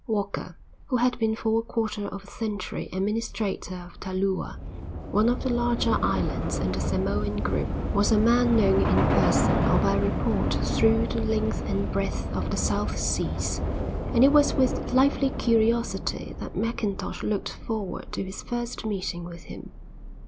Walker, who had been for a quarter of a century administrator of Talua, one of the larger islands in the Samoan group, was a man known in person or by report through the length and breadth of the South Seas; and it was with lively curiosity that Mackintosh looked forward to his first meeting with him.